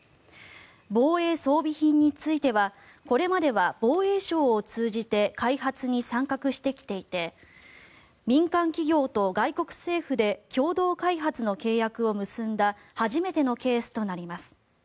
防衛装備品についてはこれまでは防衛省を通じて開発に参画してきていて民間企業と外国政府で共同開発の契約を結んだ初めてのケースとなります。